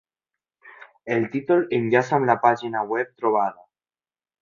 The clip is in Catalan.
El títol enllaça amb la pàgina web trobada.